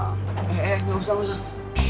eh eh gak usah gak usah